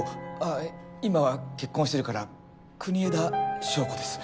あっ今は結婚してるから国枝祥子です。